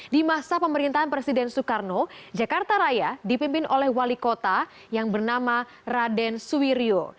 di masa pemerintahan presiden soekarno jakarta raya dipimpin oleh wali kota yang bernama raden suwiryo